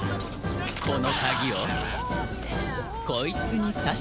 この鍵をこいつに挿して。